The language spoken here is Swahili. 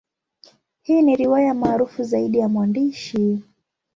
Hii ni riwaya maarufu zaidi ya mwandishi.